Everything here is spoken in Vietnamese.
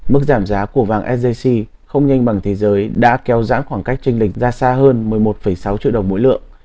mức giảm giá của vàng sjc không nhanh bằng thế giới đã kéo dãn khoảng cách tranh lệch ra xa hơn một mươi một sáu triệu đồng mỗi lượng